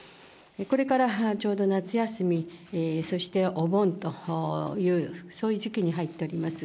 これからちょうど夏休み、そしてお盆という、そういう時期に入っております。